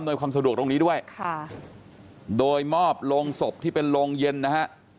โดยความสะดวกตรงนี้ด้วยค่ะโดยมอบโรงศพที่เป็นโรงเย็นนะฮะ